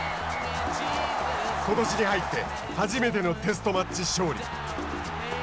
ことしに入って初めてのテストマッチ勝利。